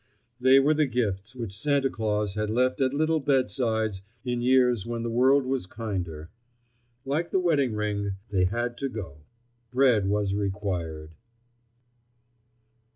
They were the gifts which Santa Claus had left at little bedsides in years when the world was kinder. Like the wedding ring, they had to go. Bread was required.